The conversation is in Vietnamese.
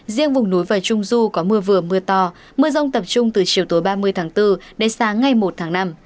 riêng vùng núi và trung du có mưa vừa mưa to mưa rông tập trung từ chiều tối ba mươi tháng bốn đến sáng ngày một tháng năm